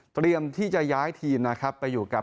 เตรียมที่จะย้ายทีมไปอยู่กับ